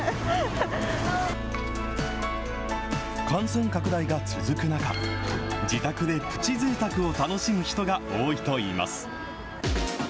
感染拡大が続く中、自宅でプチぜいたくを楽しむ人が多いといいます。